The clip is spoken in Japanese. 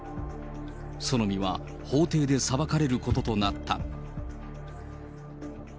その身は法廷で裁かれることとなった。